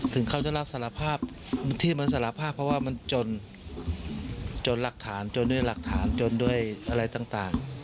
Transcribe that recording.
ถึงเขาจะรับสารภาพที่มันสารภาพเพราะว่ามันจนจนหลักฐานจนด้วยหลักฐานจนด้วยอะไรต่าง